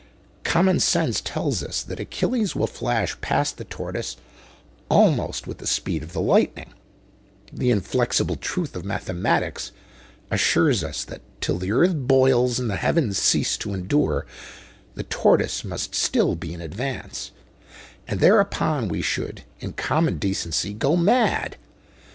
Common sense tells us that Achilles will flash past the tortoise almost with the speed of the lightning; the inflexible truth of mathematics assures us that till the earth boils and the heavens cease to endure the Tortoise must still be in advance; and thereupon we should, in common decency, go mad.